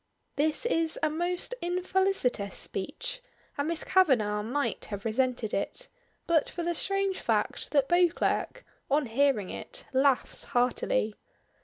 This is a most infelicitous speech, and Miss Kavanagh might have resented it, but for the strange fact that Beauclerk, on hearing it, laughs heartily.